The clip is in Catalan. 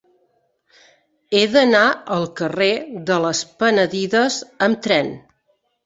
He d'anar al carrer de les Penedides amb tren.